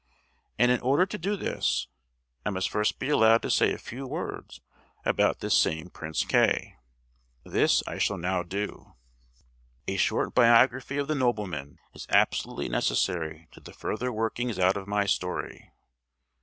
And in order to do this, I must first be allowed to say a few words about this same Prince K——. This I shall now do. A short biography of the nobleman is absolutely necessary to the further working out of my story.